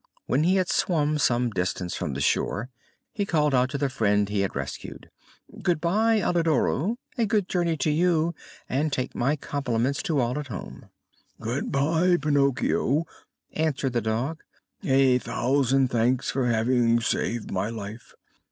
When he had swum some distance from the shore he called out to the friend he had rescued: "Good bye, Alidoro; a good journey to you, and take my compliments to all at home." "Good bye, Pinocchio," answered the dog; "a thousand thanks for having saved my life.